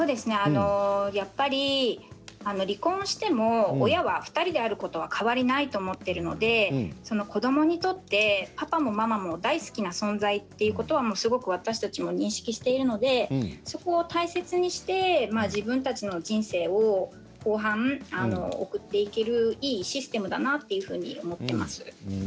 やっぱり離婚しても親が２人であることは変わりないと思っているので子どもにとってパパもママも大好きな存在ということはすごく私たちは認識しているのでそこを大切にして自分たちの人生を後半送っていけるいいシステムだなというふうに思っています。